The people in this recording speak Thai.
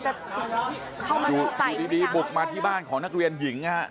เข้ามาไหนอีกเดียวปุกมาที่บ้านของนักเรียนหญิงอ่ะ